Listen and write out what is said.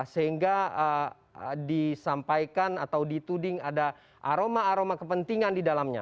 sehingga disampaikan atau dituding ada aroma aroma kepentingan di dalamnya